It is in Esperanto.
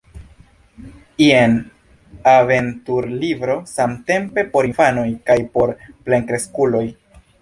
Jen aventur-libro samtempe por infanoj kaj por plenkreskuloj.